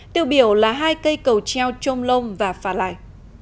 tiêu biểu là hai cây cầu treo trôm lôm và phà lại